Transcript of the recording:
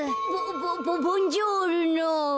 ボボボンジョールノ。